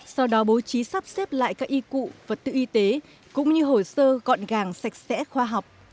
sau đó bố trí sắp xếp lại các y cụ vật tư y tế cũng như hồ sơ gọn gàng sạch sẽ khoa học